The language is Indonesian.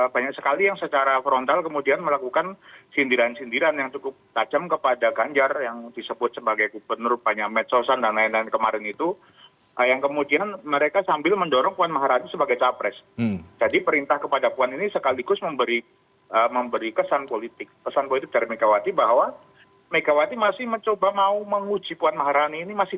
bagaimana perjuangan pdi perjuangan ini